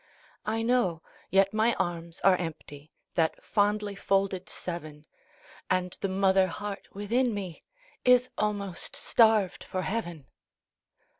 I know, yet my arms are empty, That fondly folded seven, And the mother heart within me Is almost starved for heaven.